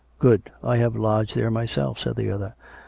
" Good. I have lodged there myself," said the other.